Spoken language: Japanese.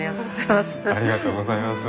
ありがとうございます。